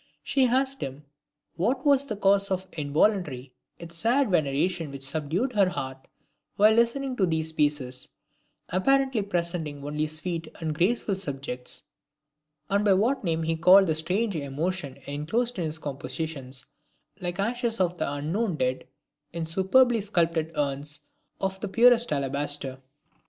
She asked him what was the cause of the involuntary, yet sad veneration which subdued her heart while listening to these pieces, apparently presenting only sweet and graceful subjects: and by what name he called the strange emotion inclosed in his compositions, like ashes of the unknown dead in superbly sculptured urns of the purest alabaster...